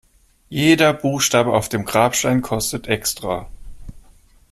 Jeder Buchstabe auf dem Grabstein kostet extra.